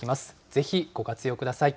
ぜひご活用ください。